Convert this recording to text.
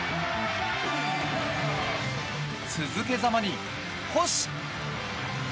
続けざまに星！